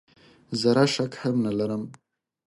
زره شک هم نه لرم .